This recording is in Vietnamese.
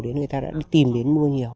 đến người ta đã tìm đến mua nhiều